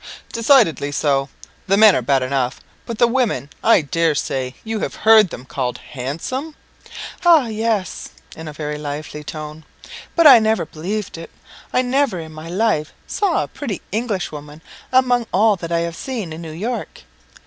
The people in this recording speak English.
"Decidedly so. The men are bad enough, but the women, I dare say you have heard them called handsome?" "Ah, yes," in a very lively tone; "but I never believed it. I never in my life saw a pretty English woman among all that I have seen in New York.